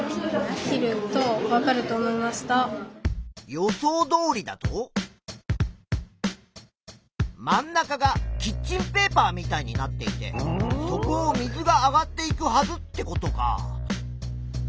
予想どおりだと真ん中がキッチンペーパーみたいになっていてそこを水が上がっていくはずってことか。